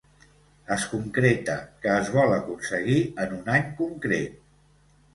Es concreta que es vol aconseguir en un any concret.